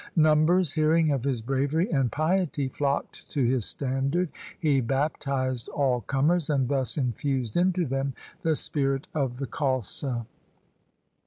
Numbers, hearing of his bravery and piety, flocked to his standard. He baptized all comers and thus infused into them the spirit of the Khalsa.